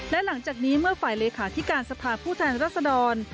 และหลังจากนี้เมื่อฝ่ายเลขาธิการสภาพผู้แทนรัศดร